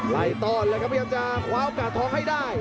ไล่ตอนเลยครับเดี๋ยวจะคว้าอากาศท้องให้ได้